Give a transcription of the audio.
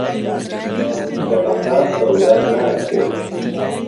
ماسی له بهحرا سهودا ناکرێت